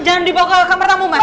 jangan dibawa ke kamar tamu mas